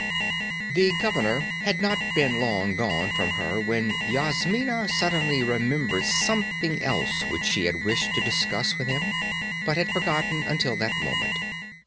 The governor had not been long gone from her when Yasmina suddenly remembered something else which she had wished to discuss with him, but had forgotten until that moment.